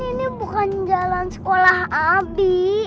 ini bukan jalan sekolah abdi